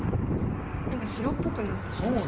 何か白っぽくなってきましたね。